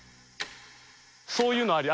そういうのあり？